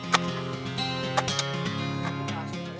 pertani dan peternak